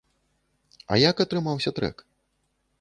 А як атрымаўся трэк?